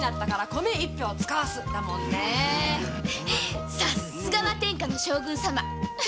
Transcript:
ほんとさすがは天下の将軍様！